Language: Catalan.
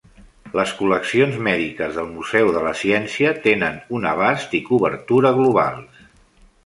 Les col·leccions mèdiques del Museu de la Ciència tenen un abast i cobertura globals.